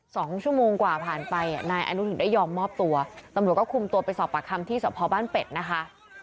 สองชั่วโมงกว่าผ่านไปอ่ะนายอนุถึงได้ยอมมอบตัวตำรวจก็คุมตัวไปสอบปากคำที่สะพอบ้านเป็ดนะคะ